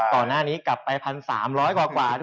ก่อนหน้านี้กลับไป๑๓๐๐กว่า